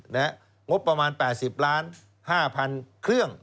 งบประมาณ๘๐ล้าน๕๐๐๐เครื่อง